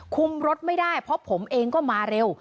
รถไม่ได้เพราะผมเองก็มาเร็ว